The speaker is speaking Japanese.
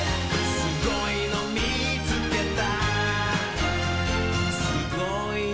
「すごいのみつけた」